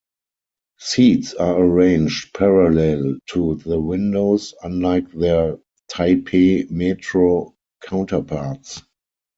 Seats are arranged parallel to the windows, unlike their Taipei Metro counterparts.